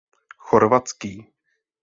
Chorvatský.